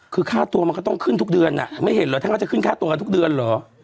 คือค่าตัวมันก็ต้องขึ้นทุกเดือนไม่เห็นเหรอท่านก็จะขึ้นค่าตัวกันทุกเดือนเหรอ